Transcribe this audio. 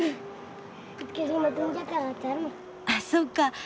あっそうか。